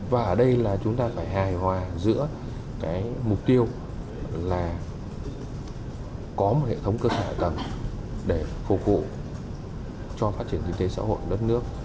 và ở đây là chúng ta phải hài hòa giữa cái mục tiêu là có một hệ thống cơ sở cầm để phục vụ cho phát triển kinh tế xã hội đất nước